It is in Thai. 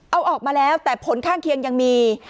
เอาออกมาแล้วแต่ผลข้างเคียงยังมี